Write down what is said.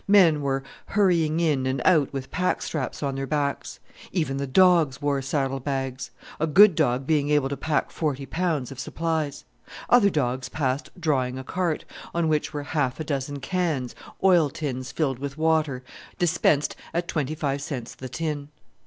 Men were hurrying in and out with pack straps on their backs. Even the dogs wore saddle bags a good dog being able to pack forty pounds of supplies. Other dogs passed drawing a cart, on which were half a dozen cans, oil tins filled with water, dispensed at twenty five cents the tin.